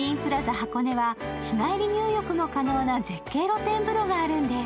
箱根は日帰り入浴も可能な絶景露天風呂があるんです。